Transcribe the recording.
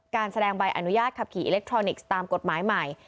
การแสดงใบอนุญาตขับขี่อิเล็กทรอนิกส์ตามกฎหมายใหม่